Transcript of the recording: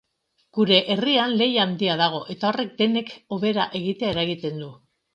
Gure herrian lehia handia dago, eta horrek denek hobera egitea eragiten du.